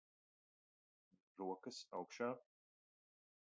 Rokas augšā.